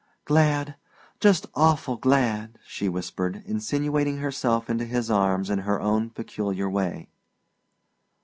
"Glad just awful glad!" she whispered, insinuating herself into his arms in her own peculiar way.